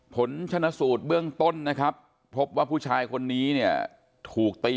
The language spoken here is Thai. ผลชนะสูตรเบื้องต้นนะครับพบว่าผู้ชายคนนี้เนี่ยถูกตี